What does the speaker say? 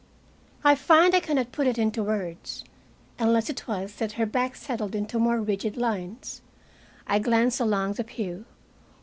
I find I can not put it into words, unless it was that her back settled into more rigid lines. I glanced along the pew.